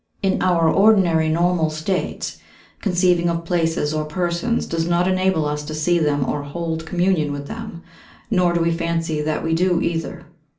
In our ordinary normal state, conceiving of places or persons does not enable us to see them or hold communion with them, nor do we fancy that we do either.